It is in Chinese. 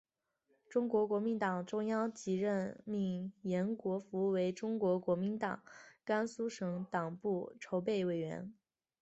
中国国民党中央即任命延国符为中国国民党甘肃省党部筹备委员。